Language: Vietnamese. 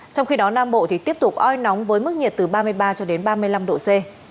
trong khi đó nam bộ thì tiếp tục oi nóng với mức nhiệt từ ba mươi ba cho đến ba mươi năm độ c